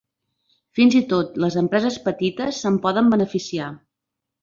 Fins i tot les empreses petites se'n poden beneficiar.